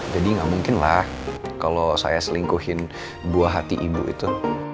jadi gak mungkin lah kalau saya selingkuhin buah hati ibu itu